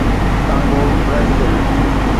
Congo - Brazzaville